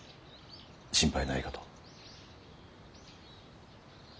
心配ないかと。